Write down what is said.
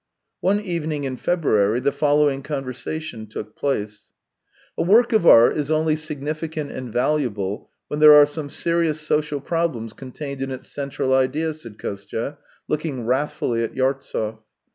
One evening in February the following conversation took place: " A work of art is only significant and valuable when there are some serious social problems contained in its central idea," said Kostya, looking wrathfuUy at Yartsev.